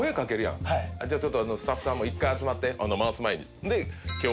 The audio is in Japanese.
ちょっとスタッフさんも１回集まって回す前に。